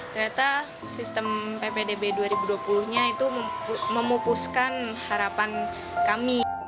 ternyata sistem ppdb dua ribu dua puluh nya itu memupuskan harapan kami